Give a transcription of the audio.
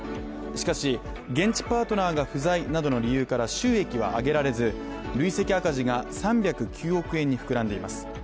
しかし、現地パートナーが不在などの理由から収益は上げられず、累積赤字が３０９億円に膨らんでいます。